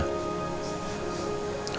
tidur juga ya mas